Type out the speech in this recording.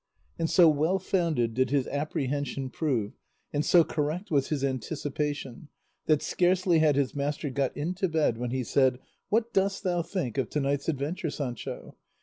And so well founded did his apprehension prove, and so correct was his anticipation, that scarcely had his master got into bed when he said, "What dost thou think of to night's adventure, Sancho?